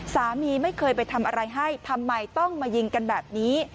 สามีไม่เคยไปทำอะไรให้ทำไมต้องมายิงกันแบบนี้